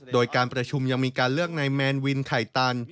โดยการประชุมยังมีการเลือกนายแมนวินไข่ตัน